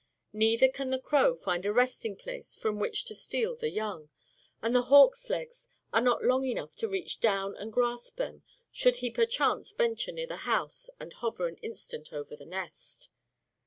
Neither can the crow find a resting place from which to steal the young; and the hawk's legs are not long enough to reach down and grasp them, should he perchance venture near the house and hover an instant over the nest.